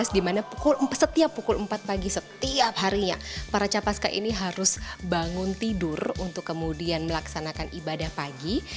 di mana setiap pukul empat pagi setiap harinya para capaska ini harus bangun tidur untuk kemudian melaksanakan ibadah pagi